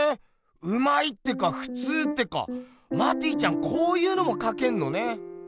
うまいってかふつうってかマティちゃんこういうのもかけんのね。